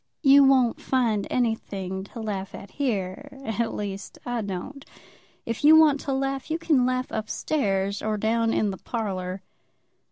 "You won't find anything to laugh at here; at least, I don't. If you want to laugh, you can laugh up stairs, or down in the parlour."